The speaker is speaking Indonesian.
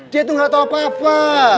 dia tuh enggak tahu apa apa